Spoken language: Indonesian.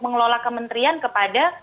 mengelola kementerian kepada